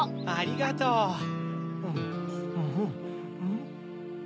ありがとう！